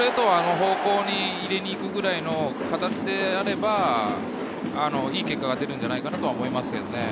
ストレートはあの方向に入れに行くぐらいの形であれば、いい結果が出るんじゃないかなと思います。